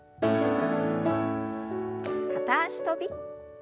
片脚跳び。